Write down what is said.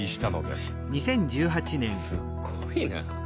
すごいな。